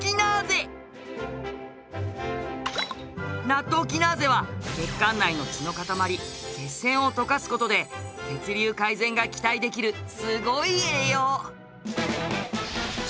ナットウキナーゼは血管内の血の塊血栓を溶かす事で血流改善が期待できるすごい栄養！